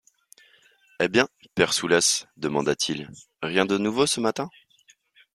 Eh bien! père Soulas, demanda-t-il, rien de nouveau, ce matin?